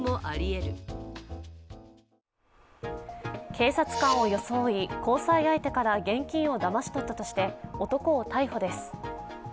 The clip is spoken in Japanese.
警察官を装い交際相手から現金をだまし取ったとして男を逮捕です。